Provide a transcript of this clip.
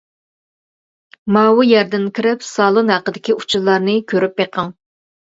ماۋۇ يەردىن كىرىپ سالون ھەققىدىكى ئۇچۇرلارنى كۆرۈپ بېقىڭ.